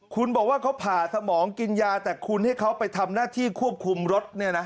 คุณบอกว่าเขาผ่าสมองกินยาแต่คุณให้เขาไปทำหน้าที่ควบคุมรถเนี่ยนะ